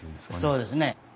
そうですね。